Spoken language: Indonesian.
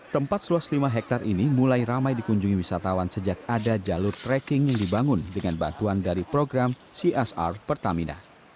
tempat seluas lima hektare ini mulai ramai dikunjungi wisatawan sejak ada jalur trekking yang dibangun dengan bantuan dari program csr pertamina